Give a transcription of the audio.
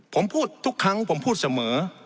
ผมพูดทุกครั้งผมพูดเสมอ